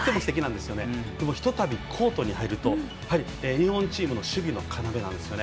でもひとたび、コートに入ると日本チームの守備の要なんですよね。